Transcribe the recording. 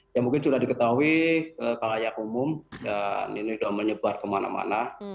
ya mungkin sudah diketahui kelayak umum dan ini sudah menyebar kemana mana